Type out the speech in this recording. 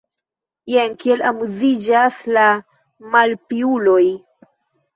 Jen kiel amuziĝas la malpiuloj!